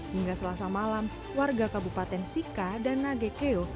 hingga selasa malam warga kabupaten sika dan nagekeo